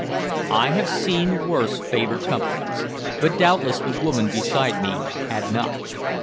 I have seen worse favored companies, but doubtless the woman beside me had not.